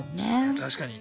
確かに。